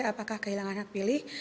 apakah kehilangan hak pilih